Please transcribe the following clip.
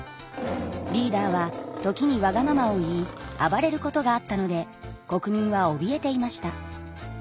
リーダーは時にわがままを言い暴れることがあったので国民はおびえていました。